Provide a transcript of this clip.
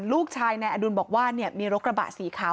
ลูกชายนายอดุลบอกว่ามีรถกระบะสีขาว